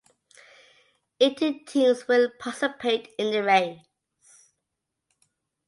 Eighteen teams will participate in the race.